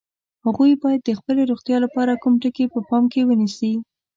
هغوی باید د خپلې روغتیا لپاره کوم ټکي په پام کې ونیسي؟